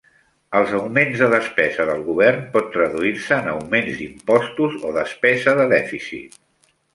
Els augments de despesa del govern pot traduir-se en augments d'impostos o despesa de dèficit.